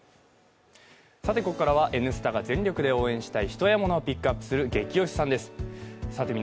ここからは「Ｎスタ」が全力で応援したいと、ヒトやモノをピックアップするゲキ推しさんです。